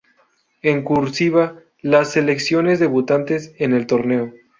En "cursiva" las selecciones debutantes en el torneo.